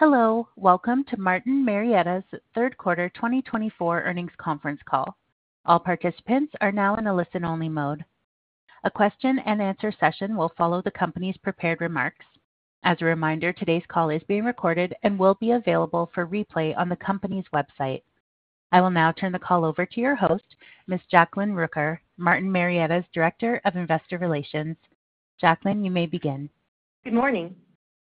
Hello, welcome to Martin Marietta's third quarter 2024 earnings conference call. All participants are now in a listen-only mode. A question-and-answer session will follow the company's prepared remarks. As a reminder, today's call is being recorded and will be available for replay on the company's website. I will now turn the call over to your host, Ms. Jaclyn Rooker, Martin Marietta's Director of Investor Relations. Jaclyn, you may begin. Good morning,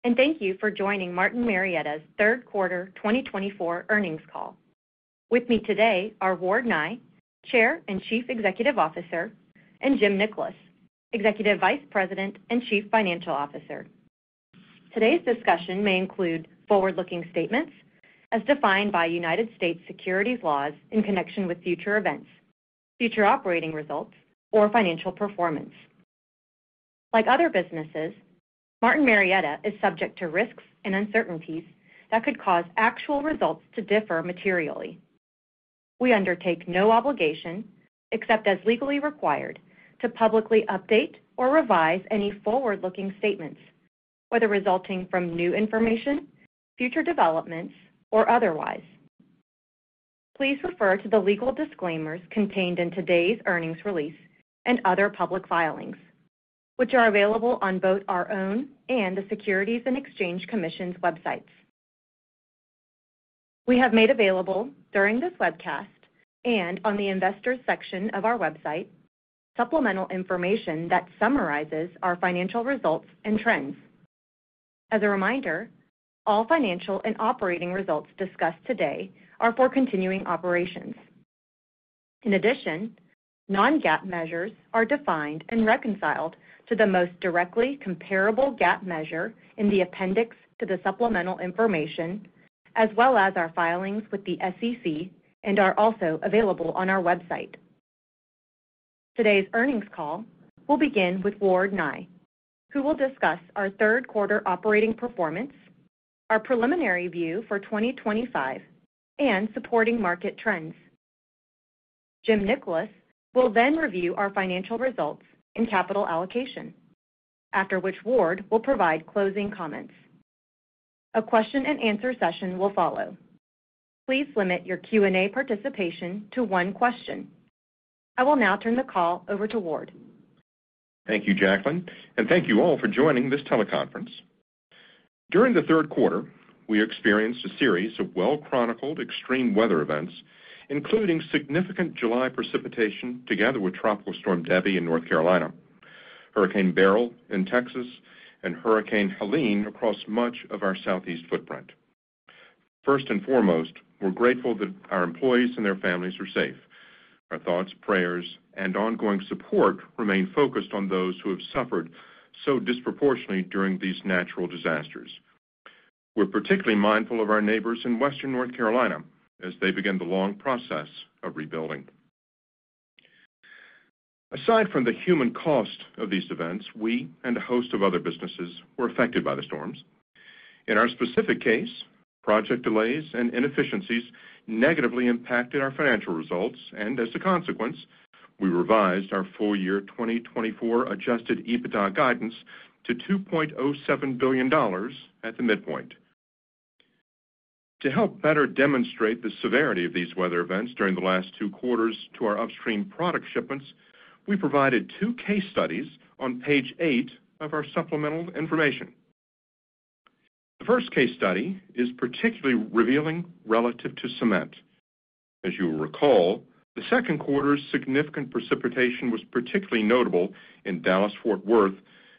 and thank you for joining Martin Marietta's third quarter 2024 earnings call. With me today are Ward Nye, Chair and Chief Executive Officer, and Jim Nickolas, Executive Vice President and Chief Financial Officer. Today's discussion may include forward-looking statements as defined by United States securities laws in connection with future events, future operating results, or financial performance. Like other businesses, Martin Marietta is subject to risks and uncertainties that could cause actual results to differ materially. We undertake no obligation, except as legally required, to publicly update or revise any forward-looking statements, whether resulting from new information, future developments, or otherwise. Please refer to the legal disclaimers contained in today's earnings release and other public filings, which are available on both our own and the Securities and Exchange Commission's websites. We have made available, during this webcast and on the investors' section of our website, supplemental information that summarizes our financial results and trends. As a reminder, all financial and operating results discussed today are for continuing operations. In addition, non-GAAP measures are defined and reconciled to the most directly comparable GAAP measure in the appendix to the supplemental information, as well as our filings with the SEC, and are also available on our website. Today's earnings call will begin with Ward Nye, who will discuss our third quarter operating performance, our preliminary view for 2025, and supporting market trends. Jim Nickolas will then review our financial results and capital allocation, after which Ward will provide closing comments. A question-and-answer session will follow. Please limit your Q&A participation to one question. I will now turn the call over to Ward. Thank you, Jaclyn, and thank you all for joining this teleconference. During the third quarter, we experienced a series of well-chronicled extreme weather events, including significant July precipitation together with Tropical Storm Debby in North Carolina, Hurricane Beryl in Texas, and Hurricane Helene across much of our southeast footprint. First and foremost, we're grateful that our employees and their families are safe. Our thoughts, prayers, and ongoing support remain focused on those who have suffered so disproportionately during these natural disasters. We're particularly mindful of our neighbors in western North Carolina as they begin the long process of rebuilding. Aside from the human cost of these events, we and a host of other businesses were affected by the storms. In our specific case, project delays and inefficiencies negatively impacted our financial results, and as a consequence, we revised our full-year 2024 Adjusted EBITDA guidance to $2.07 billion at the midpoint. To help better demonstrate the severity of these weather events during the last two quarters to our upstream product shipments, we provided two case studies on page eight of our supplemental information. The first case study is particularly revealing relative to cement. As you will recall, the second quarter's significant precipitation was particularly notable in Dallas-Fort Worth,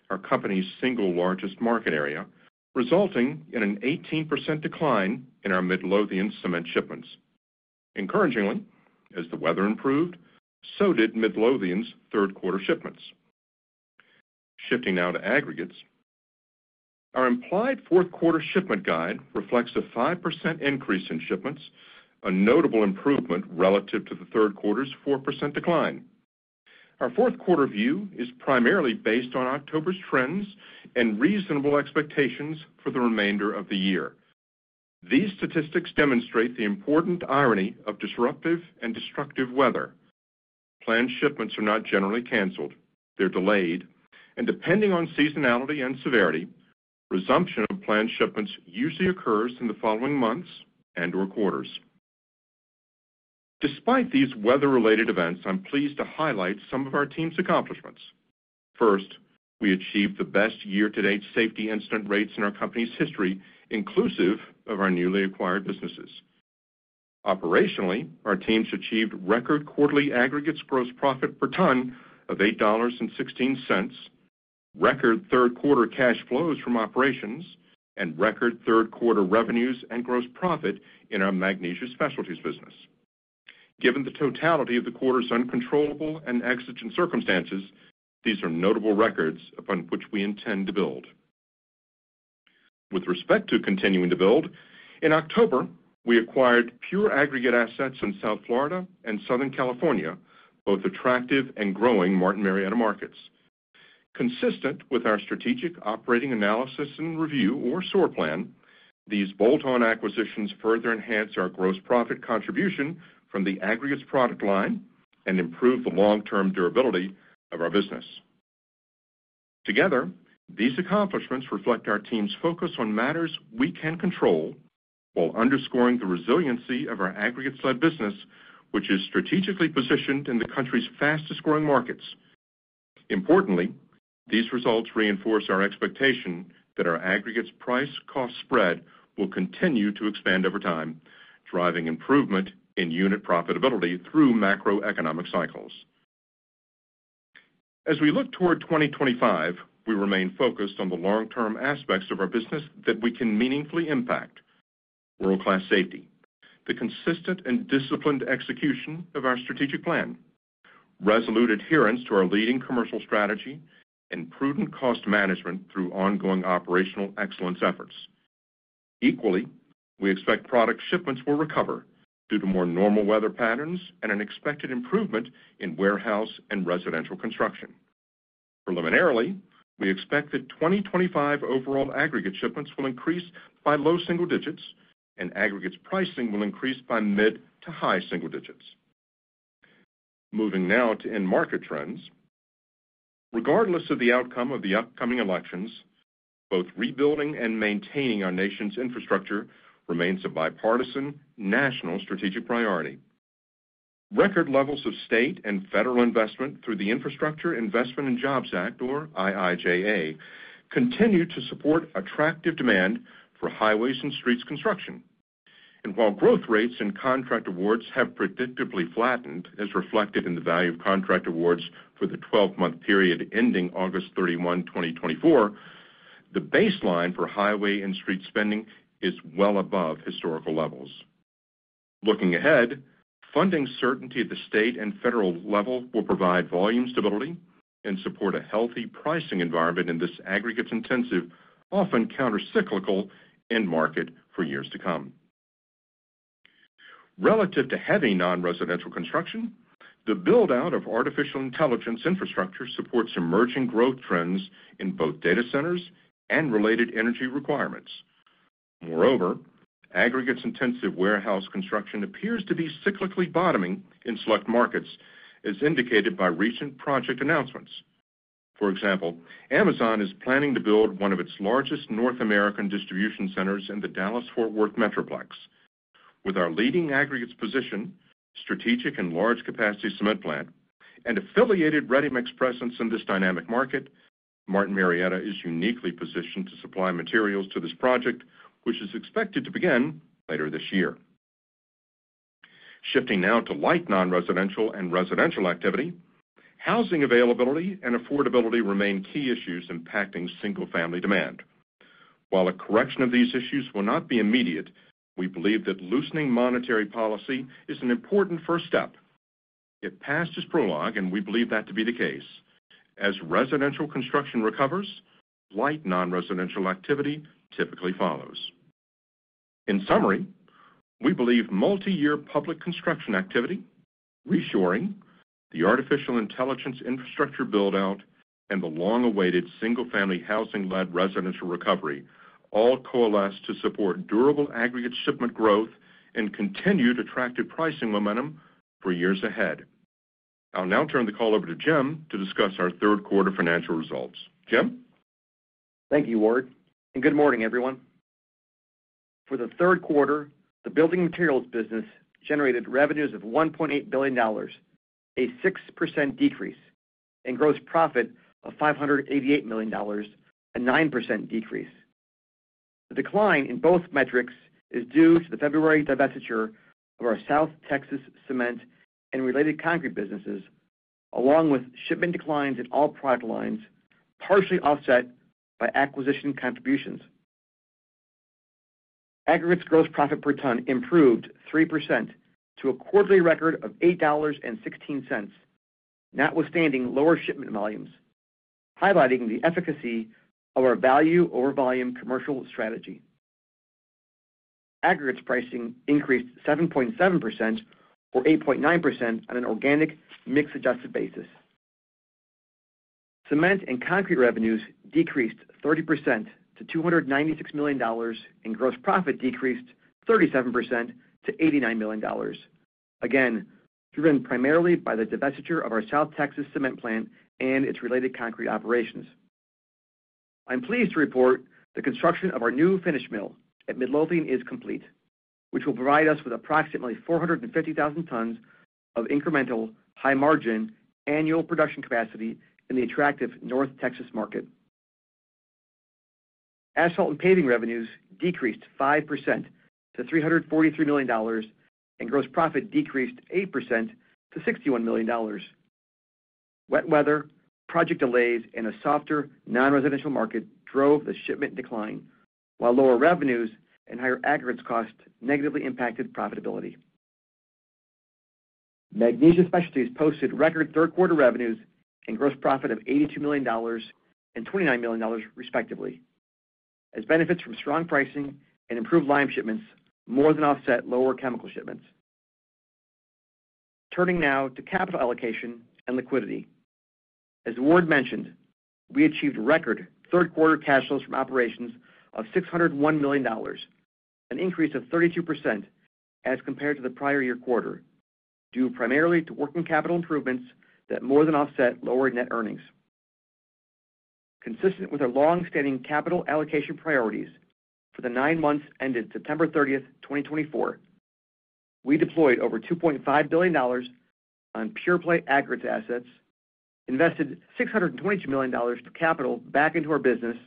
our company's single largest market area, resulting in an 18% decline in our Midlothian cement shipments. Encouragingly, as the weather improved, so did Midlothian's third quarter shipments. Shifting now to aggregates, our implied fourth quarter shipment guide reflects a 5% increase in shipments, a notable improvement relative to the third quarter's 4% decline. Our fourth quarter view is primarily based on October's trends and reasonable expectations for the remainder of the year. These statistics demonstrate the important irony of disruptive and destructive weather. Planned shipments are not generally canceled. They're delayed, and depending on seasonality and severity, resumption of planned shipments usually occurs in the following months and/or quarters. Despite these weather-related events, I'm pleased to highlight some of our team's accomplishments. First, we achieved the best year-to-date safety incident rates in our company's history, inclusive of our newly acquired businesses. Operationally, our team's achieved record quarterly aggregates gross profit per ton of $8.16, record third quarter cash flows from operations, and record third quarter revenues and gross profit in our Magnesia Specialties business. Given the totality of the quarter's uncontrollable and exigent circumstances, these are notable records upon which we intend to build. With respect to continuing to build, in October, we acquired pure aggregate assets in South Florida and Southern California, both attractive and growing Martin Marietta markets. Consistent with our strategic operating analysis and review or SOAR plan, these bolt-on acquisitions further enhance our gross profit contribution from the aggregates product line and improve the long-term durability of our business. Together, these accomplishments reflect our team's focus on matters we can control while underscoring the resiliency of our aggregates-led business, which is strategically positioned in the country's fastest-growing markets. Importantly, these results reinforce our expectation that our aggregates price-cost spread will continue to expand over time, driving improvement in unit profitability through macroeconomic cycles. As we look toward 2025, we remain focused on the long-term aspects of our business that we can meaningfully impact: world-class safety, the consistent and disciplined execution of our strategic plan, resolute adherence to our leading commercial strategy, and prudent cost management through ongoing operational excellence efforts. Equally, we expect product shipments will recover due to more normal weather patterns and an expected improvement in warehouse and residential construction. Preliminarily, we expect that 2025 overall aggregate shipments will increase by low single digits, and aggregates pricing will increase by mid to high single digits. Moving now to end market trends, regardless of the outcome of the upcoming elections, both rebuilding and maintaining our nation's infrastructure remains a bipartisan national strategic priority. Record levels of state and federal investment through the Infrastructure Investment and Jobs Act, or IIJA, continue to support attractive demand for highways and streets construction. While growth rates and contract awards have predictably flattened, as reflected in the value of contract awards for the 12-month period ending August 31, 2024, the baseline for highway and street spending is well above historical levels. Looking ahead, funding certainty at the state and federal level will provide volume stability and support a healthy pricing environment in this aggregates-intensive, often countercyclical, end market for years to come. Relative to heavy non-residential construction, the build-out of artificial intelligence infrastructure supports emerging growth trends in both data centers and related energy requirements. Moreover, aggregates-intensive warehouse construction appears to be cyclically bottoming in select markets, as indicated by recent project announcements. For example, Amazon is planning to build one of its largest North American distribution centers in the Dallas-Fort Worth Metroplex. With our leading aggregates position, strategic and large-capacity cement plant, and affiliated ready-mix presence in this dynamic market, Martin Marietta is uniquely positioned to supply materials to this project, which is expected to begin later this year. Shifting now to light non-residential and residential activity, housing availability and affordability remain key issues impacting single-family demand. While a correction of these issues will not be immediate, we believe that loosening monetary policy is an important first step. It passed its peak, and we believe that to be the case. As residential construction recovers, light non-residential activity typically follows. In summary, we believe multi-year public construction activity, reshoring, the artificial intelligence infrastructure build-out, and the long-awaited single-family housing-led residential recovery all coalesce to support durable aggregate shipment growth and continued attractive pricing momentum for years ahead. I'll now turn the call over to Jim to discuss our third quarter financial results. Jim? Thank you, Ward, and good morning, everyone. For the third quarter, the building materials business generated revenues of $1.8 billion, a 6% decrease, and gross profit of $588 million, a 9% decrease. The decline in both metrics is due to the February divestiture of our South Texas cement and related concrete businesses, along with shipment declines in all product lines, partially offset by acquisition contributions. Aggregates gross profit per ton improved 3% to a quarterly record of $8.16, notwithstanding lower shipment volumes, highlighting the efficacy of our value-over-volume commercial strategy. Aggregates pricing increased 7.7% or 8.9% on an organic mix-adjusted basis. Cement and concrete revenues decreased 30% to $296 million, and gross profit decreased 37% to $89 million, again driven primarily by the divestiture of our South Texas cement plant and its related concrete operations. I'm pleased to report the construction of our new finish mill at Midlothian is complete, which will provide us with approximately 450,000 tons of incremental, high-margin annual production capacity in the attractive North Texas market. Aggregates and paving revenues decreased 5% to $343 million, and gross profit decreased 8% to $61 million. Wet weather, project delays, and a softer non-residential market drove the shipment decline, while lower revenues and higher aggregates cost negatively impacted profitability. Magnesia Specialties posted record third-quarter revenues and gross profit of $82 million and $29 million, respectively, as benefits from strong pricing and improved lime shipments more than offset lower chemical shipments. Turning now to capital allocation and liquidity. As Ward mentioned, we achieved record third-quarter cash flows from operations of $601 million, an increase of 32% as compared to the prior year quarter, due primarily to working capital improvements that more than offset lower net earnings. Consistent with our long-standing capital allocation priorities for the nine months ended September 30, 2024, we deployed over $2.5 billion on pure-play aggregates assets, invested $622 million of capital back into our business,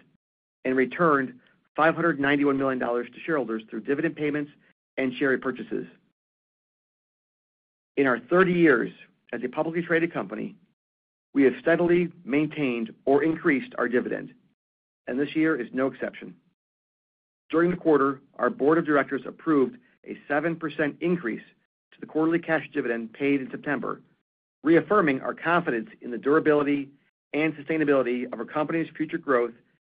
and returned $591 million to shareholders through dividend payments and share purchases. In our 30 years as a publicly traded company, we have steadily maintained or increased our dividend, and this year is no exception. During the quarter, our board of directors approved a 7% increase to the quarterly cash dividend paid in September, reaffirming our confidence in the durability and sustainability of our company's future growth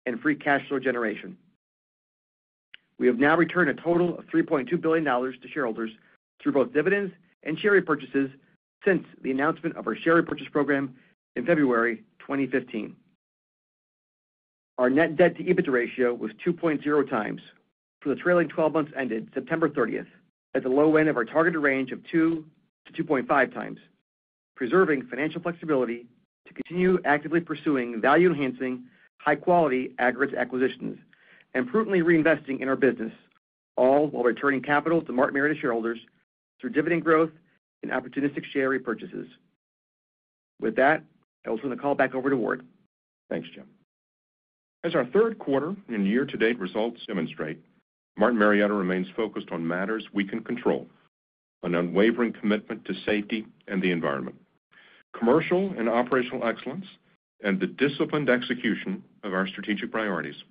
and free cash flow generation. We have now returned a total of $3.2 billion to shareholders through both dividends and share purchases since the announcement of our share purchase program in February 2015. Our net debt-to-EBITDA ratio was 2.0 times for the trailing 12 months ended September 30, at the low end of our targeted range of 2-2.5 times, preserving financial flexibility to continue actively pursuing value-enhancing, high-quality aggregates acquisitions and prudently reinvesting in our business, all while returning capital to Martin Marietta shareholders through dividend growth and opportunistic share purchases. With that, I will turn the call back over to Ward. Thanks, Jim. As our third quarter and year-to-date results demonstrate, Martin Marietta remains focused on matters we can control, an unwavering commitment to safety and the environment, commercial and operational excellence, and the disciplined execution of our strategic priorities.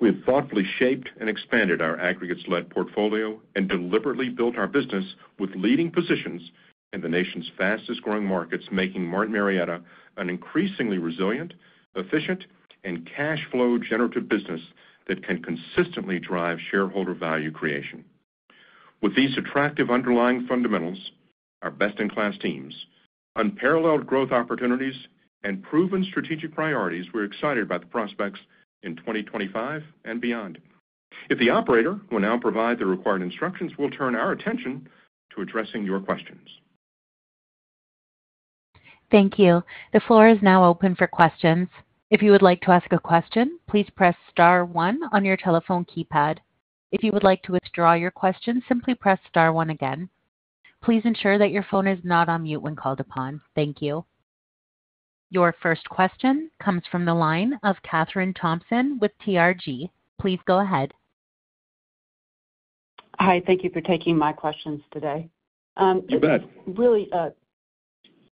We have thoughtfully shaped and expanded our aggregates-led portfolio and deliberately built our business with leading positions in the nation's fastest-growing markets, making Martin Marietta an increasingly resilient, efficient, and cash flow-generative business that can consistently drive shareholder value creation. With these attractive underlying fundamentals, our best-in-class teams, unparalleled growth opportunities, and proven strategic priorities, we're excited about the prospects in 2025 and beyond. If the operator will now provide the required instructions, we'll turn our attention to addressing your questions. Thank you. The floor is now open for questions. If you would like to ask a question, please press star one on your telephone keypad. If you would like to withdraw your question, simply press star one again. Please ensure that your phone is not on mute when called upon. Thank you. Your first question comes from the line of Katherine Thompson with TRG. Please go ahead. Hi. Thank you for taking my questions today. You bet. Really, the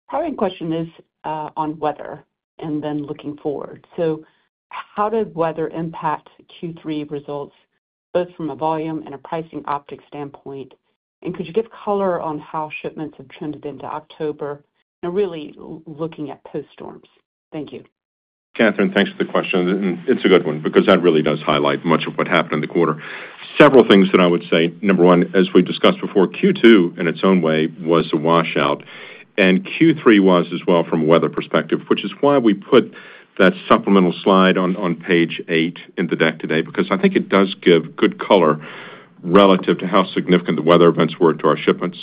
primary question is on weather and then looking forward. So how did weather impact Q3 results, both from a volume and a pricing optic standpoint? And could you give color on how shipments have trended into October, really looking at post-storms? Thank you. Katherine, thanks for the question. And it's a good one because that really does highlight much of what happened in the quarter. Several things that I would say. Number one, as we discussed before, Q2 in its own way was a washout. And Q3 was as well from a weather perspective, which is why we put that supplemental slide on page eight in the deck today, because I think it does give good color relative to how significant the weather events were to our shipments.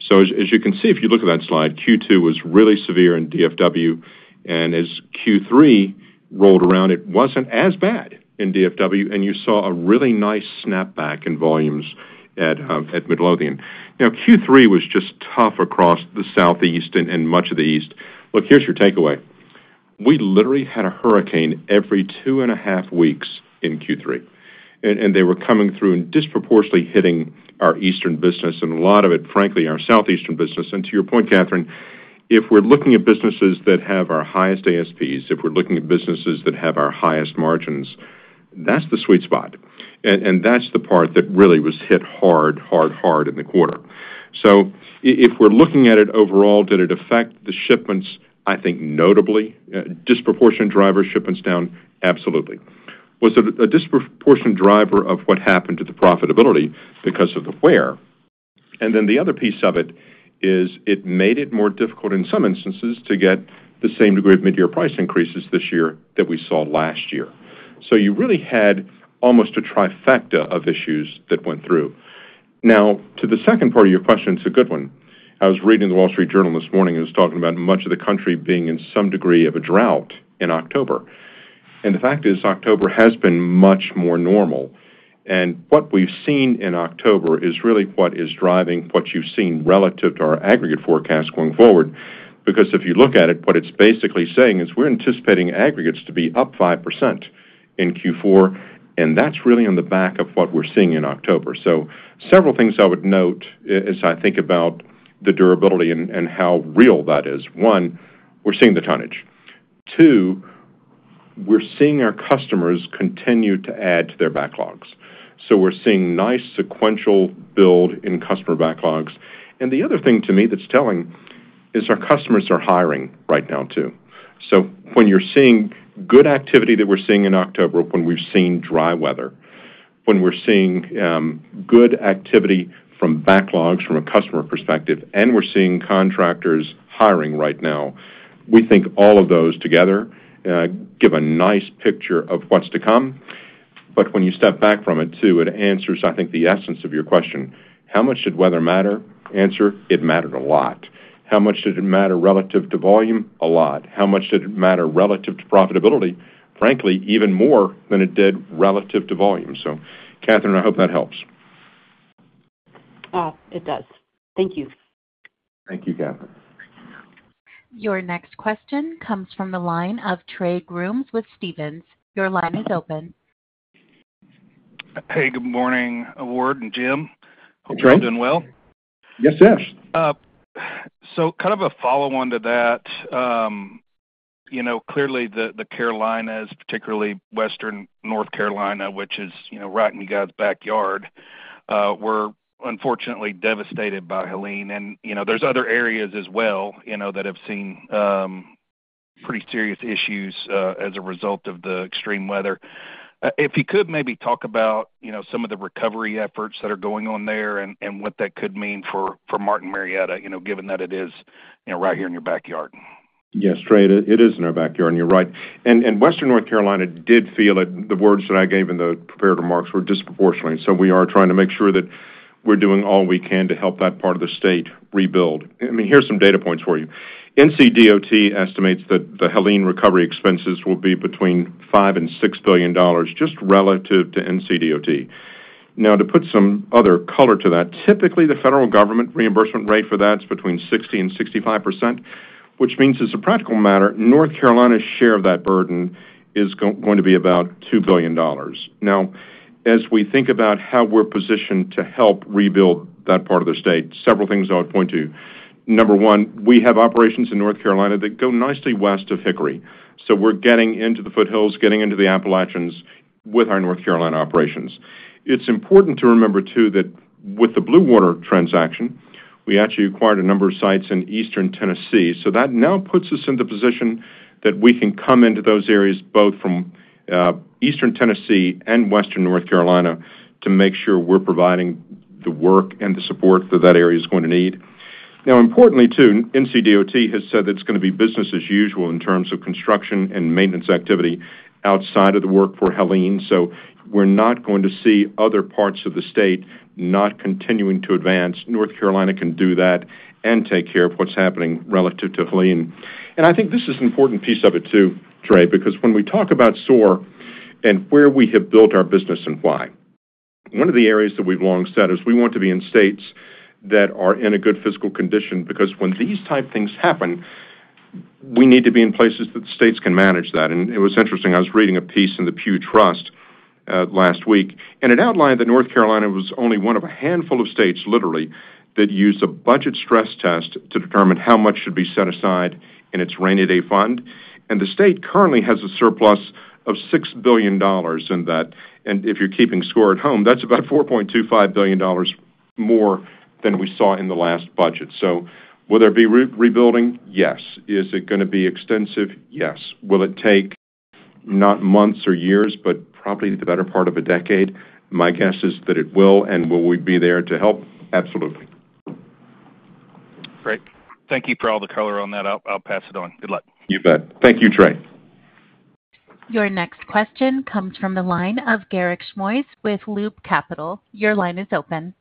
So as you can see, if you look at that slide, Q2 was really severe in DFW. And as Q3 rolled around, it wasn't as bad in DFW, and you saw a really nice snapback in volumes at Midlothian. Now, Q3 was just tough across the southeast and much of the east. Look, here's your takeaway. We literally had a hurricane every two and a half weeks in Q3, and they were coming through and disproportionately hitting our eastern business, and a lot of it, frankly, our southeastern business. And to your point, Katherine, if we're looking at businesses that have our highest ASPs, if we're looking at businesses that have our highest margins, that's the sweet spot. And that's the part that really was hit hard, hard, hard in the quarter. So if we're looking at it overall, did it affect the shipments, I think, notably? Disproportionate driver shipments down? Absolutely. Was it a disproportionate driver of what happened to the profitability because of the weather? And then the other piece of it is it made it more difficult in some instances to get the same degree of mid-year price increases this year that we saw last year. So you really had almost a trifecta of issues that went through. Now, to the second part of your question, it's a good one. I was reading the Wall Street Journal this morning and was talking about much of the country being in some degree of a drought in October. And the fact is October has been much more normal. And what we've seen in October is really what is driving what you've seen relative to our aggregate forecast going forward, because if you look at it, what it's basically saying is we're anticipating aggregates to be up 5% in Q4, and that's really on the back of what we're seeing in October. So several things I would note as I think about the durability and how real that is. One, we're seeing the tonnage. Two, we're seeing our customers continue to add to their backlogs. So we're seeing nice sequential build in customer backlogs. And the other thing to me that's telling is our customers are hiring right now too. So when you're seeing good activity that we're seeing in October, when we've seen dry weather, when we're seeing good activity from backlogs from a customer perspective, and we're seeing contractors hiring right now, we think all of those together give a nice picture of what's to come. But when you step back from it too, it answers, I think, the essence of your question. How much did weather matter? Answer, it mattered a lot. How much did it matter relative to volume? A lot. How much did it matter relative to profitability? Frankly, even more than it did relative to volume. So, Katherine, I hope that helps. It does. Thank you. Thank you, Katherine. Your next question comes from the line of Trey Grooms with Stephens. Your line is open. Hey, good morning, Ward and Jim. Hope you're all doing well. Yes, yes. So kind of a follow-on to that, clearly the Carolinas, particularly Western North Carolina, which is right in you guys' backyard, were unfortunately devastated by Helene and there's other areas as well that have seen pretty serious issues as a result of the extreme weather. If you could maybe talk about some of the recovery efforts that are going on there and what that could mean for Martin Marietta, given that it is right here in your backyard. Yes, straight. It is in our backyard, and you're right, and Western North Carolina did feel it. The words that I gave in the prepared remarks were disproportionately, so we are trying to make sure that we're doing all we can to help that part of the state rebuild. I mean, here's some data points for you. NCDOT estimates that the Helene recovery expenses will be between $5 and $6 billion, just relative to NCDOT. Now, to put some other color to that, typically the federal government reimbursement rate for that is between 60% and 65%, which means as a practical matter, North Carolina's share of that burden is going to be about $2 billion. Now, as we think about how we're positioned to help rebuild that part of the state, several things I would point to. Number one, we have operations in North Carolina that go nicely west of Hickory. So we're getting into the foothills, getting into the Appalachians with our North Carolina operations. It's important to remember too that with the Blue Water transaction, we actually acquired a number of sites in eastern Tennessee. So that now puts us in the position that we can come into those areas both from eastern Tennessee and western North Carolina to make sure we're providing the work and the support that that area is going to need. Now, importantly too, NCDOT has said that it's going to be business as usual in terms of construction and maintenance activity outside of the work for Helene. So we're not going to see other parts of the state not continuing to advance. North Carolina can do that and take care of what's happening relative to Helene. And I think this is an important piece of it too, Trey, because when we talk about SOAR and where we have built our business and why, one of the areas that we've long said is we want to be in states that are in a good fiscal condition because when these type things happen, we need to be in places that states can manage that. And it was interesting. I was reading a piece in the Pew Trust last week, and it outlined that North Carolina was only one of a handful of states, literally, that used a budget stress test to determine how much should be set aside in its rainy day fund. And the state currently has a surplus of $6 billion in that. And if you're keeping score at home, that's about $4.25 billion more than we saw in the last budget. So will there be rebuilding? Yes. Is it going to be extensive? Yes. Will it take not months or years, but probably the better part of a decade? My guess is that it will. And will we be there to help? Absolutely. Great. Thank you for all the color on that. I'll pass it on. Good luck. You bet. Thank you, Trey. Your next question comes from the line of Garik Shmois with Loop Capital. Your line is open.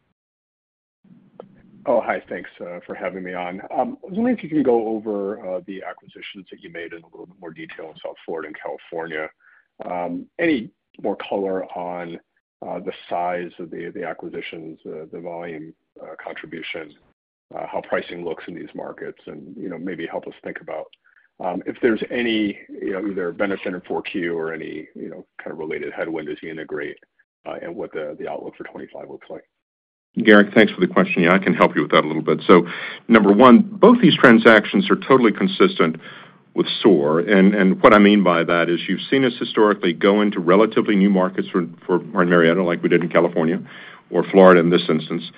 Oh, hi. Thanks for having me on. I was wondering if you can go over the acquisitions that you made in a little bit more detail in South Florida and California. Any more color on the size of the acquisitions, the volume contribution, how pricing looks in these markets, and maybe help us think about if there's any either benefit in 4Q or any kind of related headwind as you integrate and what the outlook for 2025 looks like? Garik, thanks for the question. Yeah, I can help you with that a little bit. So number one, both these transactions are totally consistent with SOAR. And what I mean by that is you've seen us historically go into relatively new markets for Martin Marietta like we did in California or Florida in this instance.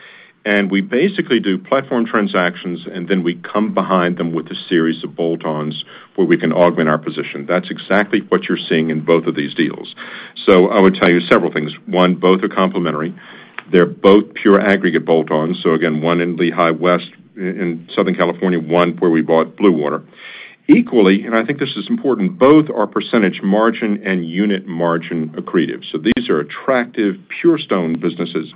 And we basically do platform transactions, and then we come behind them with a series of bolt-ons where we can augment our position. That's exactly what you're seeing in both of these deals. So I would tell you several things. One, both are complementary. They're both pure aggregate bolt-ons. So again, one in Lehigh West in Southern California, one where we bought Blue Water. Equally, and I think this is important, both are percentage margin and unit margin accretive. So these are attractive pure stone businesses.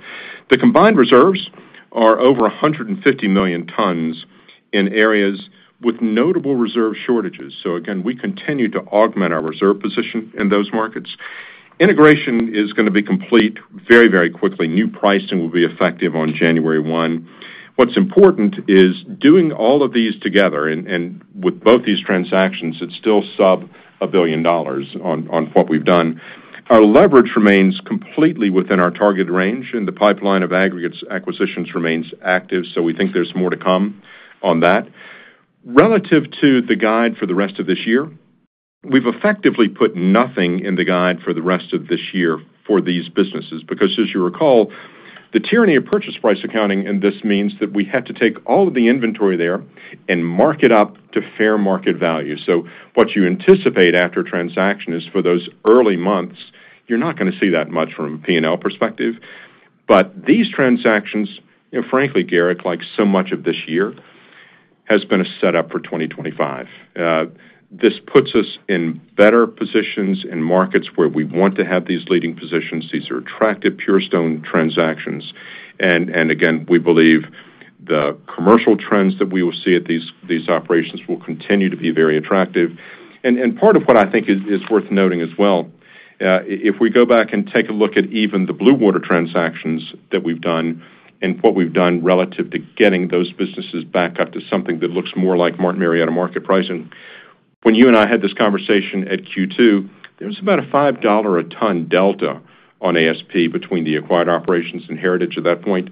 The combined reserves are over 150 million tons in areas with notable reserve shortages, so again, we continue to augment our reserve position in those markets. Integration is going to be complete very, very quickly. New pricing will be effective on January 1. What's important is doing all of these together, and with both these transactions, it's still sub $1 billion on what we've done. Our leverage remains completely within our target range, and the pipeline of aggregates acquisitions remains active, so we think there's more to come on that. Relative to the guide for the rest of this year, we've effectively put nothing in the guide for the rest of this year for these businesses because, as you recall, the tyranny of purchase price accounting in this means that we had to take all of the inventory there and mark it up to fair market value. So what you anticipate after transaction is for those early months, you're not going to see that much from a P&L perspective. But these transactions, frankly, Garik, like so much of this year, has been a setup for 2025. This puts us in better positions in markets where we want to have these leading positions. These are attractive pure stone transactions. And again, we believe the commercial trends that we will see at these operations will continue to be very attractive. And part of what I think is worth noting as well, if we go back and take a look at even the Blue Water transactions that we've done and what we've done relative to getting those businesses back up to something that looks more like Martin Marietta market pricing. When you and I had this conversation at Q2, there was about a $5 a ton delta on ASP between the acquired operations and heritage at that point.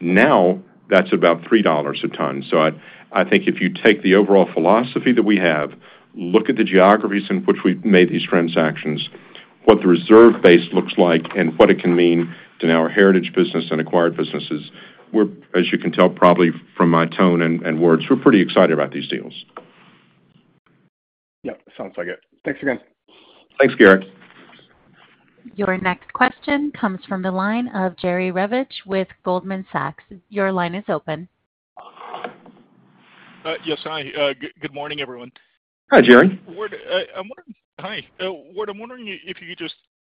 Now, that's about $3 a ton. So I think if you take the overall philosophy that we have, look at the geographies in which we've made these transactions, what the reserve base looks like, and what it can mean to our heritage business and acquired businesses, we're, as you can tell probably from my tone and words, we're pretty excited about these deals. Yep. Sounds like it. Thanks again. Thanks, Garrick. Your next question comes from the line of Jerry Revich with Goldman Sachs. Your line is open. Yes, hi. Good morning, everyone. Hi, Jerry. Hi, Ward. I'm wondering if you could just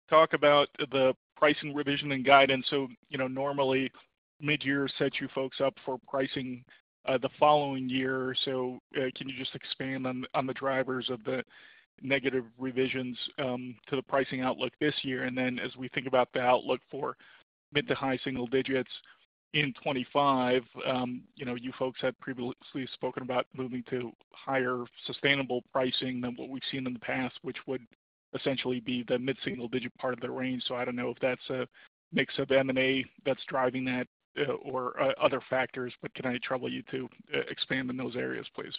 talk about the pricing revision and guidance. So normally, mid-year sets you folks up for pricing the following year. So can you just expand on the drivers of the negative revisions to the pricing outlook this year? And then as we think about the outlook for mid- to high-single-digits in 2025, you folks had previously spoken about moving to higher sustainable pricing than what we've seen in the past, which would essentially be the mid-single-digit part of the range. So I don't know if that's a mix of M&A that's driving that or other factors, but can I trouble you to expand in those areas, please?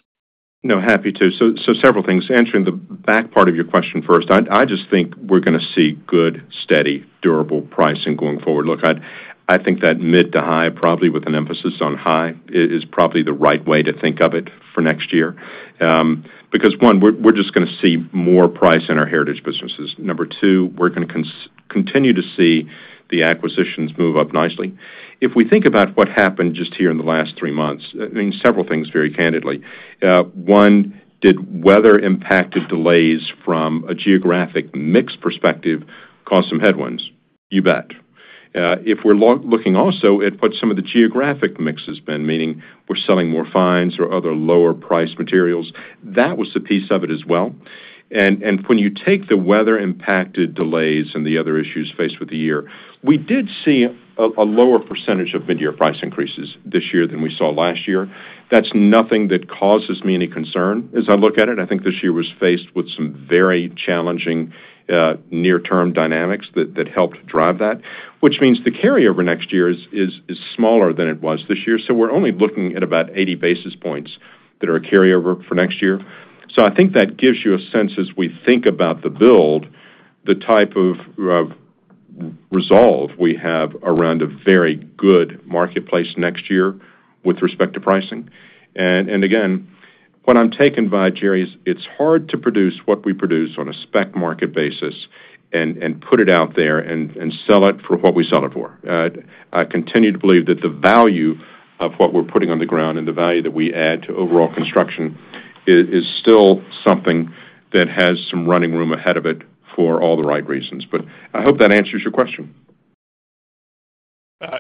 No, happy to. So several things. Answering the back part of your question first, I just think we're going to see good, steady, durable pricing going forward. Look, I think that mid to high, probably with an emphasis on high, is probably the right way to think of it for next year because, one, we're just going to see more price in our heritage businesses. Number two, we're going to continue to see the acquisitions move up nicely. If we think about what happened just here in the last three months, I mean, several things, very candidly. One, did weather-impacted delays from a geographic mix perspective cause some headwinds? You bet. If we're looking also at what some of the geographic mix has been, meaning we're selling more fines or other lower-priced materials, that was the piece of it as well. When you take the weather-impacted delays and the other issues faced with the year, we did see a lower percentage of mid-year price increases this year than we saw last year. That's nothing that causes me any concern as I look at it. I think this year was faced with some very challenging near-term dynamics that helped drive that, which means the carryover next year is smaller than it was this year. So we're only looking at about 80 basis points that are a carryover for next year. So I think that gives you a sense as we think about the build, the type of resolve we have around a very good marketplace next year with respect to pricing. Again, what I'm taken by, Jerry, is it's hard to produce what we produce on a spec market basis and put it out there and sell it for what we sell it for. I continue to believe that the value of what we're putting on the ground and the value that we add to overall construction is still something that has some running room ahead of it for all the right reasons. I hope that answers your question.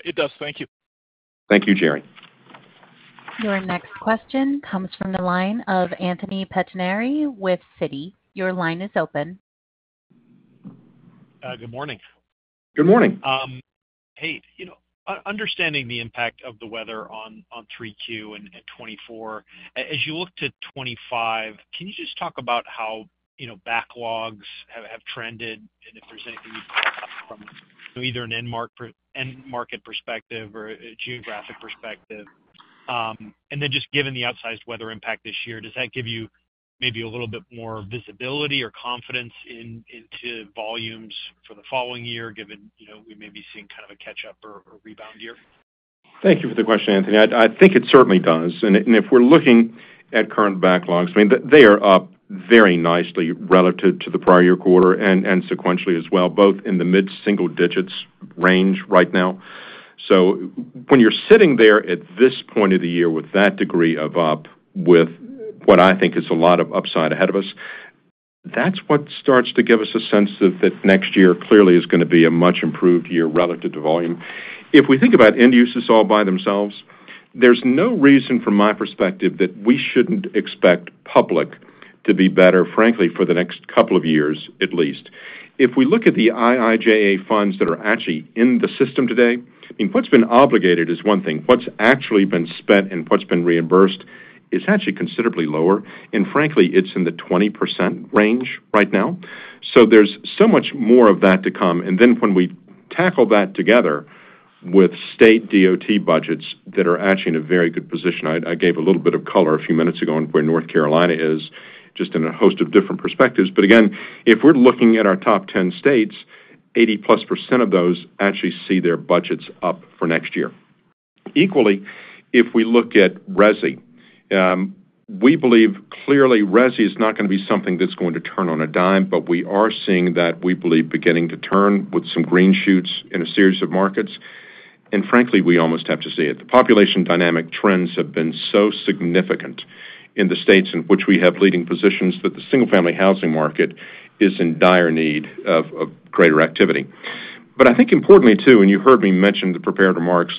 It does. Thank you. Thank you, Jerry. Your next question comes from the line of Anthony Pettinari with Citi. Your line is open. Good morning. Good morning. Hey, understanding the impact of the weather on 3Q and 2024, as you look to 2025, can you just talk about how backlogs have trended and if there's anything you can tell us from either an end-market perspective or a geographic perspective? And then just given the outsized weather impact this year, does that give you maybe a little bit more visibility or confidence into volumes for the following year, given we may be seeing kind of a catch-up or rebound year? Thank you for the question, Anthony. I think it certainly does, and if we're looking at current backlogs, I mean, they are up very nicely relative to the prior year quarter and sequentially as well, both in the mid-single digits range right now, so when you're sitting there at this point of the year with that degree of up with what I think is a lot of upside ahead of us, that's what starts to give us a sense that next year clearly is going to be a much improved year relative to volume. If we think about end uses all by themselves, there's no reason from my perspective that we shouldn't expect public to be better, frankly, for the next couple of years at least. If we look at the IIJA funds that are actually in the system today, I mean, what's been obligated is one thing. What's actually been spent and what's been reimbursed is actually considerably lower, and frankly, it's in the 20% range right now, so there's so much more of that to come, and then when we tackle that together with state DOT budgets that are actually in a very good position. I gave a little bit of color a few minutes ago on where North Carolina is just in a host of different perspectives, but again, if we're looking at our top 10 states, 80-plus% of those actually see their budgets up for next year. Equally, if we look at Resi, we believe clearly Resi is not going to be something that's going to turn on a dime, but we are seeing that we believe beginning to turn with some green shoots in a series of markets, and frankly, we almost have to see it. The population dynamic trends have been so significant in the states in which we have leading positions that the single-family housing market is in dire need of greater activity. But I think importantly too, and you heard me mention the prepared remarks,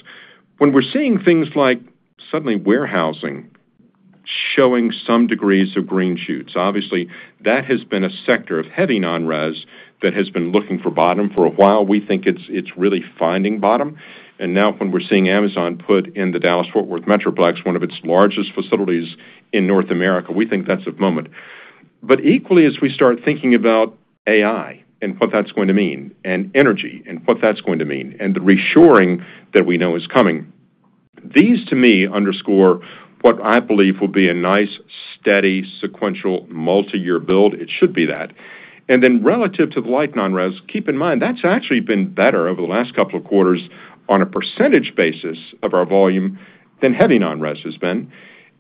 when we're seeing things like suddenly warehousing showing some degrees of green shoots, obviously, that has been a sector of heavy non-residential that has been looking for bottom for a while. We think it's really finding bottom. And now when we're seeing Amazon put in the Dallas-Fort Worth Metroplex, one of its largest facilities in North America, we think that's a moment. But equally, as we start thinking about AI and what that's going to mean and energy and what that's going to mean and the reshoring that we know is coming, these to me underscore what I believe will be a nice, steady, sequential multi-year build. It should be that. And then relative to the light non-res, keep in mind that's actually been better over the last couple of quarters on a percentage basis of our volume than heavy non-res has been.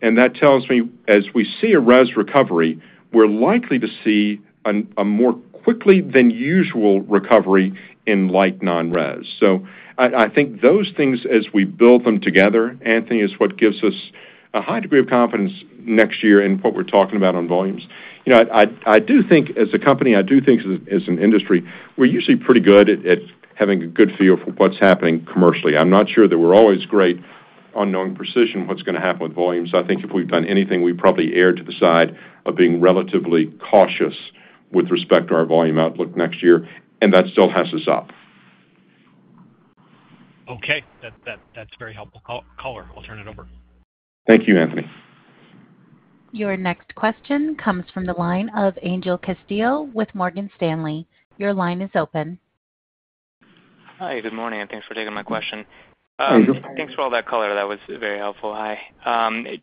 And that tells me as we see a RES recovery, we're likely to see a more quickly than usual recovery in light non-res. So I think those things as we build them together, Anthony, is what gives us a high degree of confidence next year in what we're talking about on volumes. I do think as a company, I do think as an industry, we're usually pretty good at having a good feel for what's happening commercially. I'm not sure that we're always great on knowing precision what's going to happen with volumes. I think if we've done anything, we probably err to the side of being relatively cautious with respect to our volume outlook next year, and that still has to stop. Okay. That's very helpful color. I'll turn it over. Thank you, Anthony. Your next question comes from the line of Angel Castillo with Morgan Stanley. Your line is open. Hi. Good morning. Thanks for taking my question. Hey, Joe. Thanks for all that color. That was very helpful. Hi.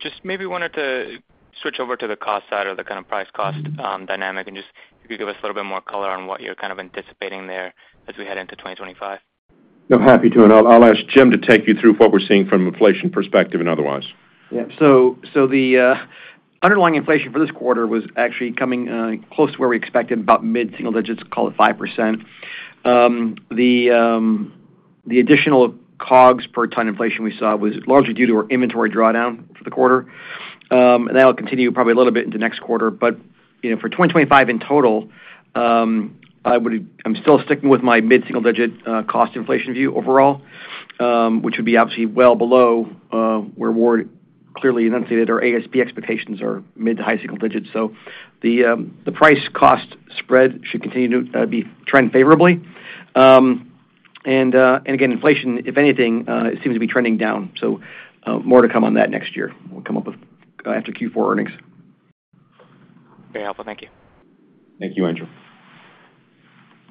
Just maybe wanted to switch over to the cost side or the kind of price-cost dynamic and just if you could give us a little bit more color on what you're kind of anticipating there as we head into 2025. No, happy to, and I'll ask Jim to take you through what we're seeing from inflation perspective and otherwise. Yeah. So the underlying inflation for this quarter was actually coming close to where we expected, about mid-single digits, call it 5%. The additional COGS per ton inflation we saw was largely due to our inventory drawdown for the quarter. And that'll continue probably a little bit into next quarter. But for 2025 in total, I'm still sticking with my mid-single digit cost inflation view overall, which would be obviously well below where Ward clearly enunciated our ASP expectations are mid to high single digits. So the price-cost spread should continue to be trend favorably. And again, inflation, if anything, seems to be trending down. So more to come on that next year. We'll come up with after Q4 earnings. Very helpful. Thank you. Thank you, Angel.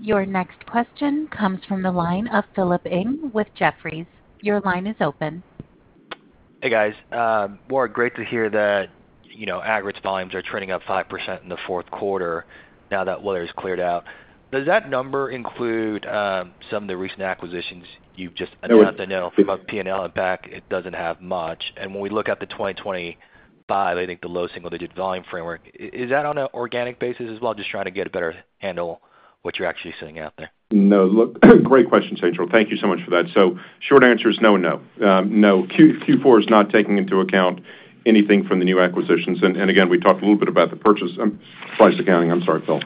Your next question comes from the line of Philip Ng with Jefferies. Your line is open. Hey, guys. Ward, great to hear that aggregates volumes are trending up 5% in the fourth quarter now that weather has cleared out. Does that number include some of the recent acquisitions you've just announced? No. I know about P&L and PPA. It doesn't have much. And when we look at the 2025, I think the low single-digit volume framework, is that on an organic basis as well, just trying to get a better handle what you're actually seeing out there? No. Look, great questions. Thank you so much for that. So short answer is no and no. No. Q4 is not taking into account anything from the new acquisitions. And again, we talked a little bit about the purchase price accounting. I'm sorry, Phil.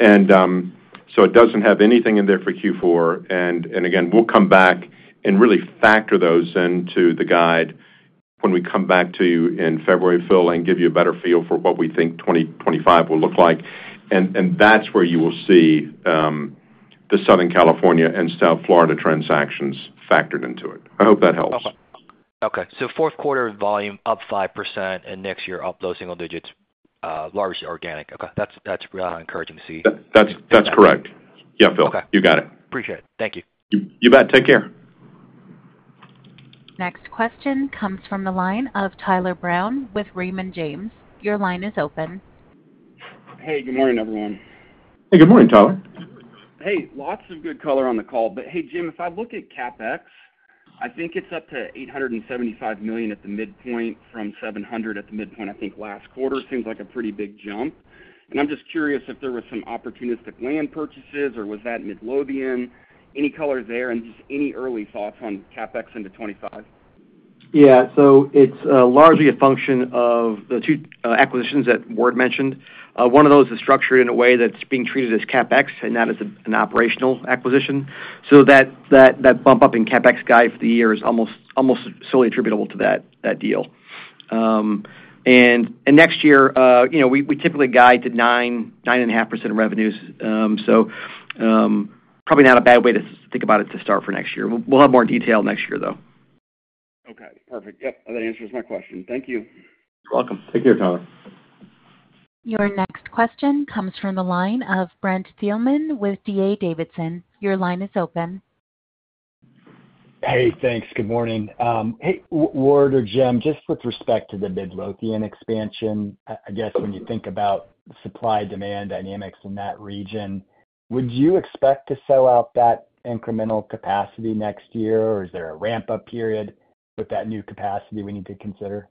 And so it doesn't have anything in there for Q4. And again, we'll come back and really factor those into the guide when we come back to you in February, Phil, and give you a better feel for what we think 2025 will look like. And that's where you will see the Southern California and South Florida transactions factored into it. I hope that helps. Okay. So fourth quarter volume up 5% and next year up low single digits, largely organic. Okay. That's really encouraging to see. That's correct. Yeah, Phil. You got it. Appreciate it. Thank you. You bet. Take care. Next question comes from the line of Tyler Brown with Raymond James. Your line is open. Hey, good morning, everyone. Hey, good morning, Tyler. Hey, lots of good color on the call. But hey, Jim, if I look at CapEx, I think it's up to $875 million at the midpoint from $700 million at the midpoint, I think last quarter seems like a pretty big jump. And I'm just curious if there were some opportunistic land purchases or was that Midlothian? Any color there and just any early thoughts on CapEx into 2025? Yeah. So it's largely a function of the two acquisitions that Ward mentioned. One of those is structured in a way that's being treated as CapEx and not as an operational acquisition. So that bump up in CapEx guide for the year is almost solely attributable to that deal. And next year, we typically guide to 9.5% revenues. So probably not a bad way to think about it to start for next year. We'll have more detail next year, though. Okay. Perfect. Yep. That answers my question. Thank you. You're welcome. Take care, Tyler. Your next question comes from the line of Brent Thielman with D.A. Davidson. Your line is open. Hey, thanks. Good morning. Hey, Ward or Jim, just with respect to the Midlothian expansion, I guess when you think about supply-demand dynamics in that region, would you expect to sell out that incremental capacity next year, or is there a ramp-up period with that new capacity we need to consider?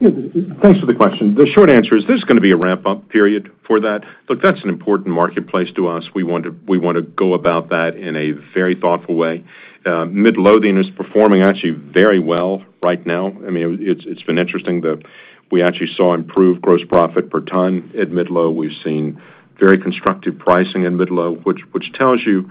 Thanks for the question. The short answer is there's going to be a ramp-up period for that. Look, that's an important marketplace to us. We want to go about that in a very thoughtful way. Midlothian is performing actually very well right now. I mean, it's been interesting. We actually saw improved gross profit per ton at Midlothian. We've seen very constructive pricing at Midlothian, which tells you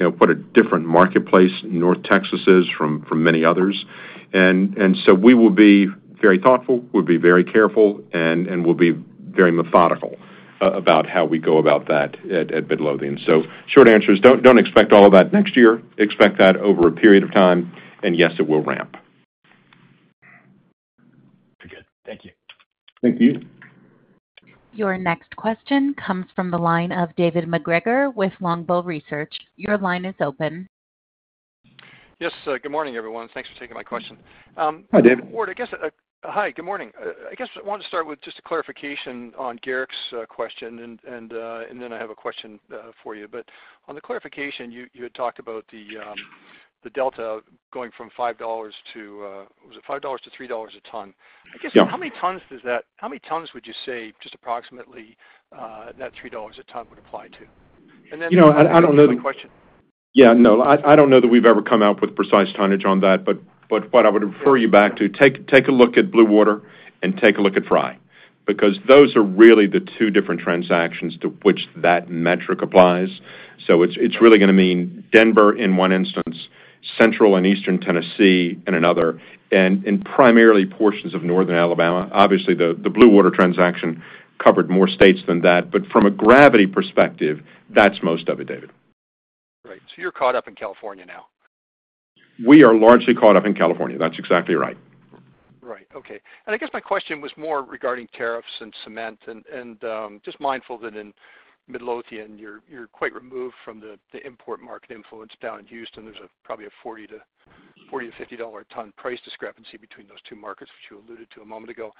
what a different marketplace North Texas is from many others. And so we will be very thoughtful. We'll be very careful and we'll be very methodical about how we go about that at Midlothian. So short answer is don't expect all of that next year. Expect that over a period of time. And yes, it will ramp. Very good. Thank you. Thank you. Your next question comes from the line of David MacGregor with Longbow Research. Your line is open. Yes. Good morning, everyone. Thanks for taking my question. Hi, David. Ward, I guess hi, good morning. I guess I wanted to start with just a clarification on Garrett's question, and then I have a question for you. But on the clarification, you had talked about the delta going from $5 to, was it $5 to $3 a ton? I guess how many tons does that, how many tons would you say just approximately that $3 a ton would apply to? And then the question. I don't know that we've ever come out with precise tonnage on that. But what I would refer you back to, take a look at Blue Water and take a look at Frei because those are really the two different transactions to which that metric applies. So it's really going to mean Denver in one instance, Central and Eastern Tennessee in another, and primarily portions of Northern Alabama. Obviously, the Blue Water transaction covered more states than that. But from a geography perspective, that's most of it, David. Right. So you're caught up in California now? We are largely caught up in California. That's exactly right. Right. Okay. And I guess my question was more regarding tariffs and cement. And just mindful that in Midlothian, you're quite removed from the import market influence down in Houston. There's probably a $40-$50 a ton price discrepancy between those two markets, which you alluded to a moment ago.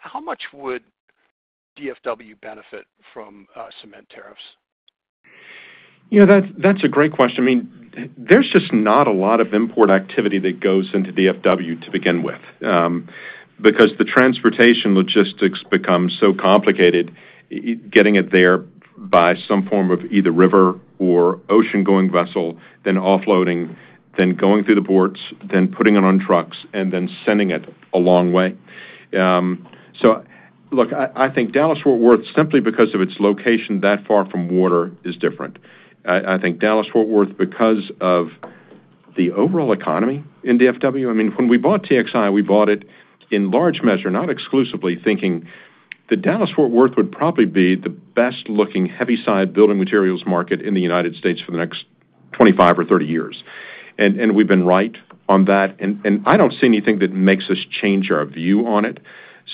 How much would DFW benefit from cement tariffs? That's a great question. I mean, there's just not a lot of import activity that goes into DFW to begin with because the transportation logistics becomes so complicated. Getting it there by some form of either river or ocean-going vessel, then offloading, then going through the ports, then putting it on trucks, and then sending it a long way. So look, I think Dallas-Fort Worth, simply because of its location that far from water, is different. I think Dallas-Fort Worth, because of the overall economy in DFW, I mean, when we bought TXI, we bought it in large measure, not exclusively thinking that Dallas-Fort Worth would probably be the best-looking heavyside building materials market in the United States for the next 25 or 30 years. And we've been right on that. And I don't see anything that makes us change our view on it.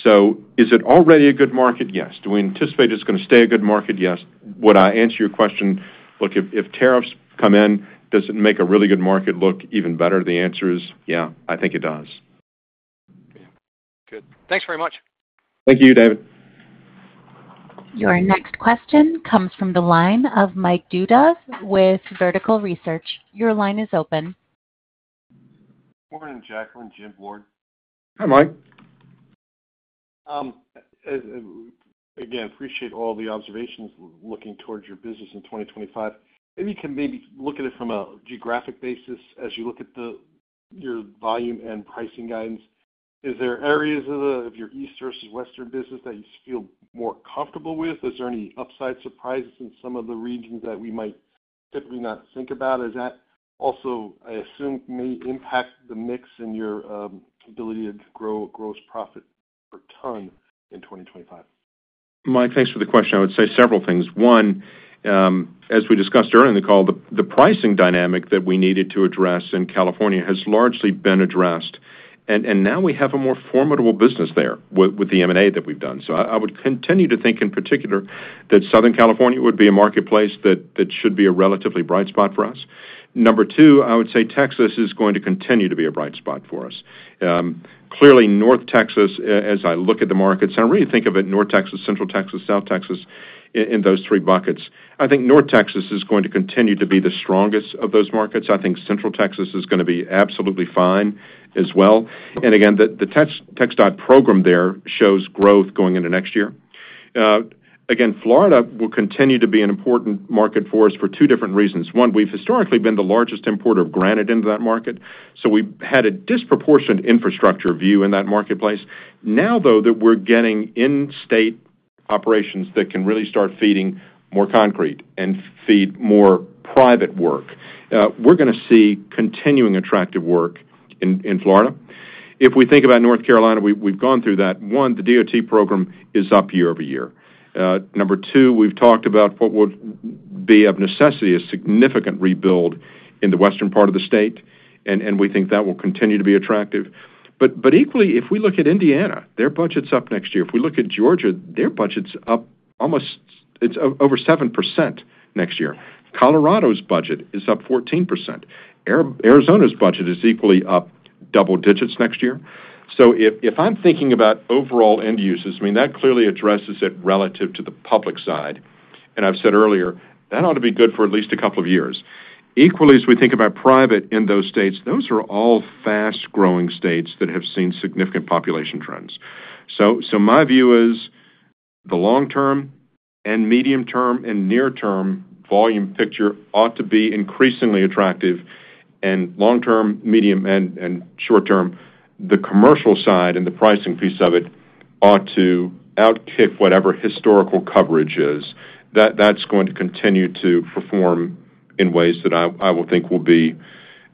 So, is it already a good market? Yes. Do we anticipate it's going to stay a good market? Yes. Would I answer your question? Look, if tariffs come in, does it make a really good market look even better? The answer is yeah, I think it does. Good. Thanks very much. Thank you, David. Your next question comes from the line of Mike Dudas with Vertical Research. Your line is open. Morning, Jaclyn. Jim. Ward. Hi, Mike. Again, appreciate all the observations looking towards your business in 2025. If you can maybe look at it from a geographic basis as you look at your volume and pricing guidance, is there areas of your east versus western business that you feel more comfortable with? Is there any upside surprises in some of the regions that we might typically not think about? Is that also, I assume, may impact the mix in your ability to grow gross profit per ton in 2025? Mike, thanks for the question. I would say several things. One, as we discussed during the call, the pricing dynamic that we needed to address in California has largely been addressed, and now we have a more formidable business there with the M&A that we've done, so I would continue to think in particular that Southern California would be a marketplace that should be a relatively bright spot for us. Number two, I would say Texas is going to continue to be a bright spot for us. Clearly, North Texas, as I look at the markets, and I really think of it North Texas, Central Texas, South Texas in those three buckets, I think North Texas is going to continue to be the strongest of those markets. I think Central Texas is going to be absolutely fine as well. And again, the TxDOT program there shows growth going into next year. Again, Florida will continue to be an important market for us for two different reasons. One, we've historically been the largest importer of granite into that market. So we had a disproportionate infrastructure view in that marketplace. Now, though, that we're getting in-state operations that can really start feeding more concrete and feed more private work, we're going to see continuing attractive work in Florida. If we think about North Carolina, we've gone through that. One, the DOT program is up year over year. Number two, we've talked about what would be of necessity a significant rebuild in the western part of the state. And we think that will continue to be attractive. But equally, if we look at Indiana, their budget's up next year. If we look at Georgia, their budget's up almost over 7% next year. Colorado's budget is up 14%. Arizona's budget is equally up double digits next year. So if I'm thinking about overall end uses, I mean, that clearly addresses it relative to the public side. And I've said earlier, that ought to be good for at least a couple of years. Equally, as we think about private in those states, those are all fast-growing states that have seen significant population trends. So my view is the long-term and medium-term and near-term volume picture ought to be increasingly attractive. And long-term, medium, and short-term, the commercial side and the pricing piece of it ought to outkick whatever historical coverage is. That's going to continue to perform in ways that I will think will be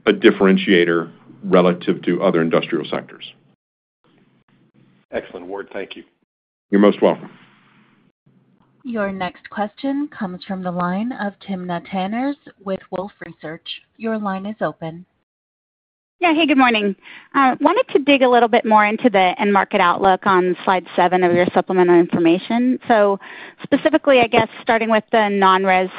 a differentiator relative to other industrial sectors. Excellent. Ward, thank you. You're most welcome. Your next question comes from the line of Timna Tanners with Wolfe Research. Your line is open. Yeah. Hey, good morning. I wanted to dig a little bit more into the end market outlook on slide seven of your supplemental information. So specifically, I guess starting with the non-res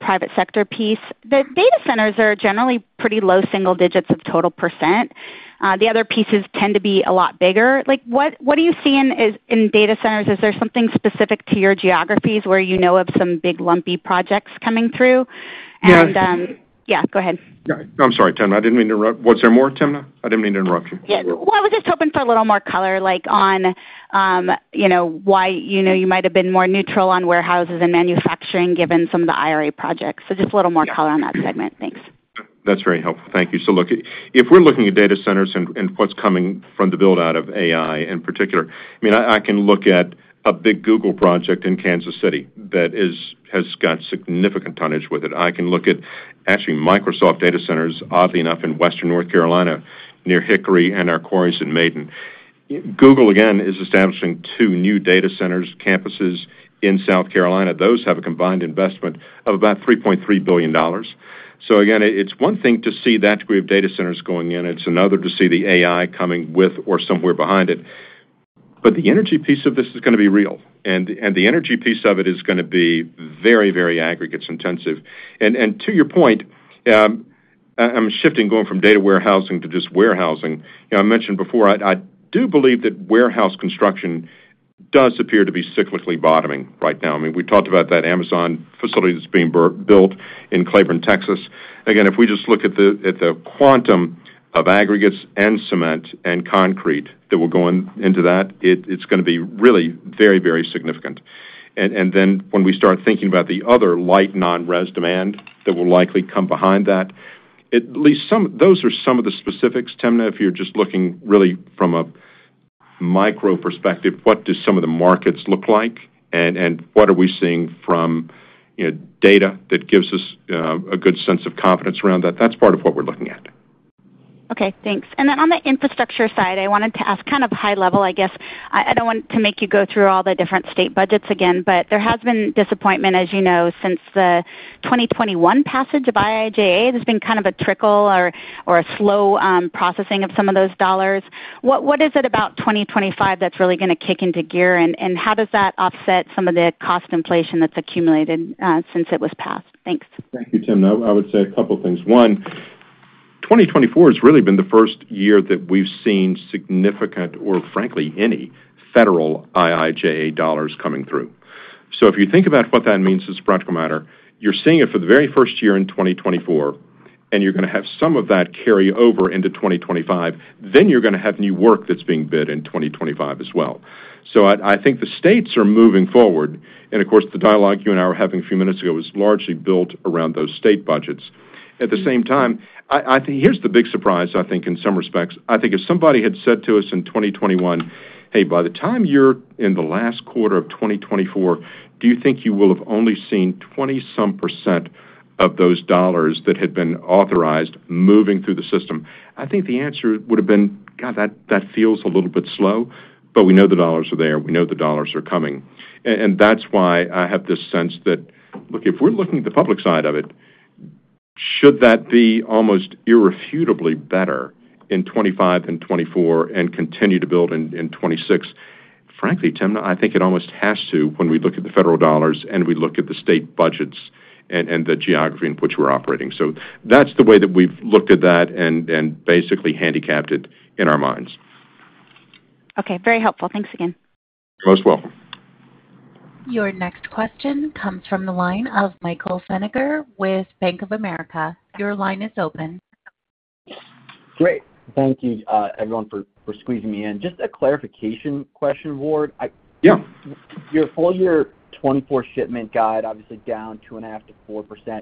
private sector piece, the data centers are generally pretty low single digits of total %. The other pieces tend to be a lot bigger. What are you seeing in data centers? Is there something specific to your geographies where you know of some big lumpy projects coming through? Yes. Yeah. Go ahead. I'm sorry, Tim. I didn't mean to interrupt. Was there more, Tim? I didn't mean to interrupt you. Yeah. Well, I was just hoping for a little more color on why you might have been more neutral on warehouses and manufacturing given some of the IRA projects. So just a little more color on that segment. Thanks. That's very helpful. Thank you. So look, if we're looking at data centers and what's coming from the build-out of AI in particular, I mean, I can look at a big Google project in Kansas City that has got significant tonnage with it. I can look at actually Microsoft data centers, oddly enough, in western North Carolina near Hickory and our quarries in Maiden. Google, again, is establishing two new data centers campuses in South Carolina. Those have a combined investment of about $3.3 billion. So again, it's one thing to see that degree of data centers going in. It's another to see the AI coming with or somewhere behind it. But the energy piece of this is going to be real. And the energy piece of it is going to be very, very aggregates intensive. And to your point, I'm shifting going from data warehousing to just warehousing. I mentioned before, I do believe that warehouse construction does appear to be cyclically bottoming right now. I mean, we talked about that Amazon facility that's being built in Cleburne, Texas. Again, if we just look at the quantum of aggregates and cement and concrete that will go into that, it's going to be really very, very significant. And then when we start thinking about the other light non-res demand that will likely come behind that, at least those are some of the specifics, Tim, if you're just looking really from a micro perspective, what do some of the markets look like and what are we seeing from data that gives us a good sense of confidence around that? That's part of what we're looking at. Okay. Thanks. And then on the infrastructure side, I wanted to ask kind of high level, I guess. I don't want to make you go through all the different state budgets again, but there has been disappointment, as you know, since the 2021 passage of IIJA. There's been kind of a trickle or a slow processing of some of those dollars. What is it about 2025 that's really going to kick into gear, and how does that offset some of the cost inflation that's accumulated since it was passed? Thanks. Thank you, Tim. I would say a couple of things. One, 2024 has really been the first year that we've seen significant or frankly, any federal IIJA dollars coming through. So if you think about what that means as a practical matter, you're seeing it for the very first year in 2024, and you're going to have some of that carry over into 2025. Then you're going to have new work that's being bid in 2025 as well. So I think the states are moving forward. And of course, the dialogue you and I were having a few minutes ago was largely built around those state budgets. At the same time, here's the big surprise, I think, in some respects. I think if somebody had said to us in 2021, "Hey, by the time you're in the last quarter of 2024, do you think you will have only seen 20-some% of those dollars that had been authorized moving through the system?" I think the answer would have been, "God, that feels a little bit slow." But we know the dollars are there. We know the dollars are coming. And that's why I have this sense that, look, if we're looking at the public side of it, should that be almost irrefutably better in 2025 and 2024 and continue to build in 2026? Frankly, Tim, I think it almost has to when we look at the federal dollars and we look at the state budgets and the geography in which we're operating. So that's the way that we've looked at that and basically handicapped it in our minds. Okay. Very helpful. Thanks again. You're most welcome. Your next question comes from the line of Michael Feniger with Bank of America. Your line is open. Great. Thank you, everyone, for squeezing me in. Just a clarification question, Ward. Yeah. Your full year 2024 shipment guide, obviously down 2.5%-4%.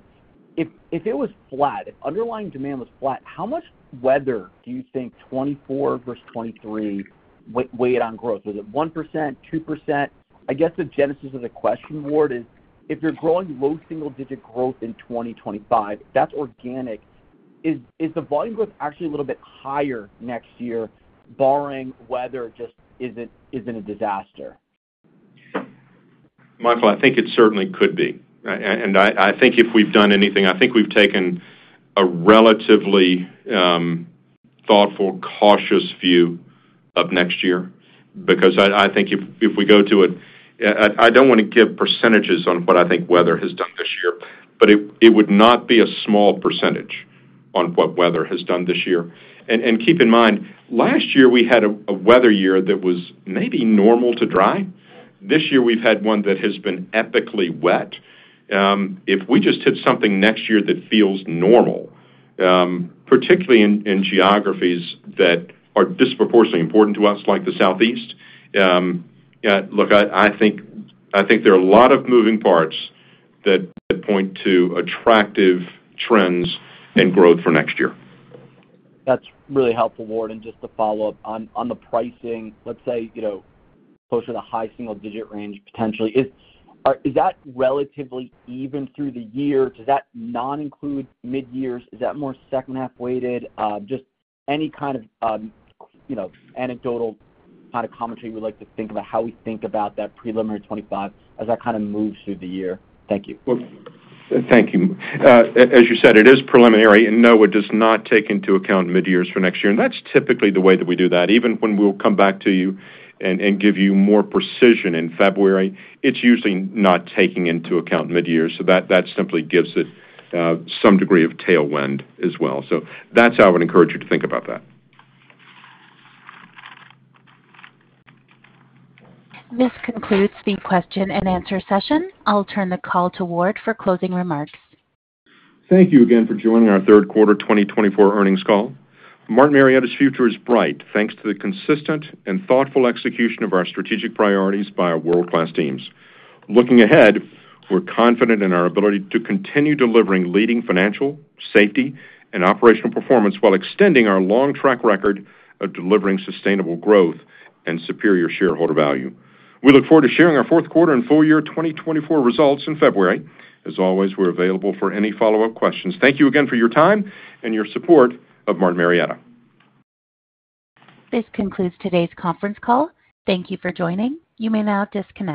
If it was flat, if underlying demand was flat, how much weather do you think 2024 versus 2023 weighed on growth? Was it 1%, 2%? I guess the genesis of the question, Ward, is if you're growing low single-digit growth in 2025, that's organic. Is the volume growth actually a little bit higher next year, barring weather just isn't a disaster? Michael, I think it certainly could be, and I think if we've done anything, I think we've taken a relatively thoughtful, cautious view of next year because I think if we go to it, I don't want to give percentages on what I think weather has done this year, but it would not be a small percentage on what weather has done this year, and keep in mind, last year we had a weather year that was maybe normal to dry. This year we've had one that has been epically wet. If we just hit something next year that feels normal, particularly in geographies that are disproportionately important to us like the Southeast, look, I think there are a lot of moving parts that point to attractive trends and growth for next year. That's really helpful, Ward. And just to follow up on the pricing, let's say closer to the high single-digit range potentially, is that relatively even through the year? Does that not include mid-years? Is that more second-half weighted? Just any kind of anecdotal kind of commentary we'd like to think about how we think about that preliminary 2025 as that kind of moves through the year. Thank you. Thank you. As you said, it is preliminary, and no, it does not take into account mid-years for next year, and that's typically the way that we do that. Even when we'll come back to you and give you more precision in February, it's usually not taking into account mid-years, so that simply gives it some degree of tailwind as well, so that's how I would encourage you to think about that. This concludes the question and answer session. I'll turn the call to Ward for closing remarks. Thank you again for joining our third quarter 2024 earnings call. Martin Marietta's future is bright thanks to the consistent and thoughtful execution of our strategic priorities by our world-class teams. Looking ahead, we're confident in our ability to continue delivering leading financial, safety, and operational performance while extending our long track record of delivering sustainable growth and superior shareholder value. We look forward to sharing our fourth quarter and full year 2024 results in February. As always, we're available for any follow-up questions. Thank you again for your time and your support of Martin Marietta. This concludes today's conference call. Thank you for joining. You may now disconnect.